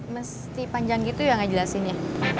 mesti panjang gitu ya gak jelasinnya